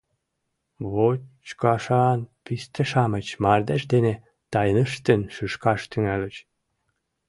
Вочкашан писте-шамыч мардеж дене тайныштын шӱшкаш тӱҥальыч.